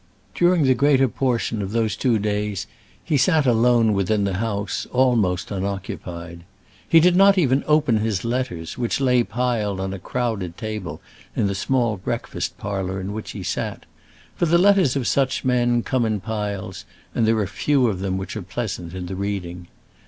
During the greater portion of those two days he sat alone within the house, almost unoccupied. He did not even open his letters, which lay piled on a crowded table in the small breakfast parlour in which he sat; for the letters of such men come in piles, and there are few of them which are pleasant in the reading.